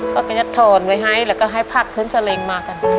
เขาก็จะถอนไว้ให้แล้วก็ให้ผักพื้นเสลงมากัน